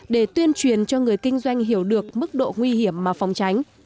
để tuyên truyền cho người kinh doanh hiểu được mức độ nguy hiểm mà phòng tránh